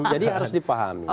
jadi harus dipahami ya